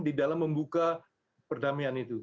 di dalam membuka perdamaian itu